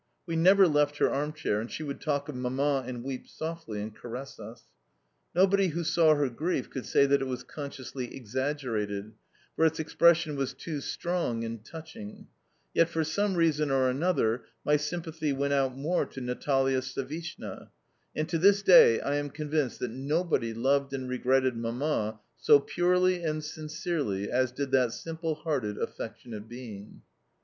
We never left her arm chair, and she would talk of Mamma, and weep softly, and caress us. Nobody who saw her grief could say that it was consciously exaggerated, for its expression was too strong and touching; yet for some reason or another my sympathy went out more to Natalia Savishna, and to this day I am convinced that nobody loved and regretted Mamma so purely and sincerely as did that simple hearted, affectionate being.